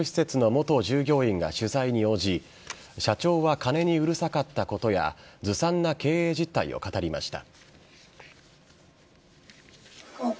一方、桂田社長が経営する宿泊施設の元従業員が取材に応じ社長は金にうるさかったことやずさんな経営実態を語りました。